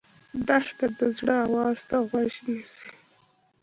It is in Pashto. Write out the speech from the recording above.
دښته د زړه آواز ته غوږ نیسي.